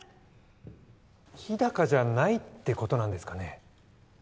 日高じゃないってことなんですかね